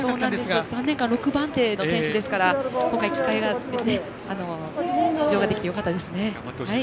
３年間６番手の選手ですから出場ができてよかったですね。